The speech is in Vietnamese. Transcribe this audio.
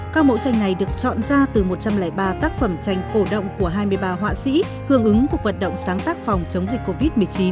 các mẫu tranh này được chọn ra từ một trăm linh ba tác phẩm tranh cổ động của hai mươi ba họa sĩ hương ứng cuộc vận động sáng tác phòng chống dịch covid một mươi chín